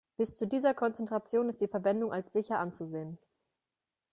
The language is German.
Bis zu dieser Konzentration ist die Verwendung als sicher anzusehen.